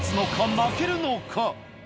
負けるのか？